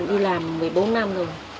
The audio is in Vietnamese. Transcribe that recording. đi làm một mươi bốn năm rồi